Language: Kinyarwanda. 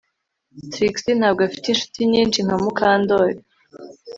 Trix ntabwo afite inshuti nyinshi nka Mukandoli